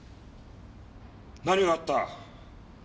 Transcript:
何があった？